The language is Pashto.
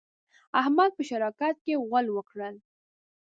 احمد په شراکت کې غول وکړل.